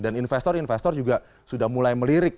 dan investor investor juga sudah mulai melirik